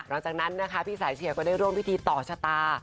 แล้วจากนั้นพี่สายเชียก็ได้ร่วมวิธีต่อชะตา